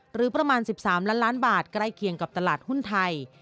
หรือประมาณ๑๓ล้านล้านบาทใกล้เคียงกับตลาดหุ้นไทย